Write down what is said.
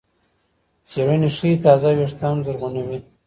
څېړنې ښيي تازه وېښته هم زرغونوي.